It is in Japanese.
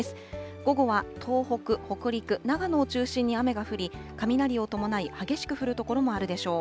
午後は東北、北陸、長野を中心に雨が降り、雷を伴い、激しく降る所もあるでしょう。